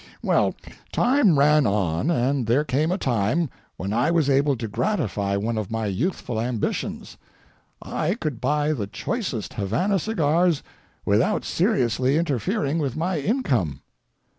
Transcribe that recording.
Well, time ran on, and there came a time when I was able to gratify one of my youthful ambitions—I could buy the choicest Havana cigars without seriously interfering with my income.